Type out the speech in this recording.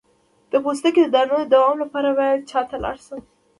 د پوستکي د دانو د دوام لپاره باید چا ته لاړ شم؟